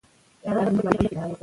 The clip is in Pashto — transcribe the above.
ایا ډیوډرنټ د شپې استعمال باید وي؟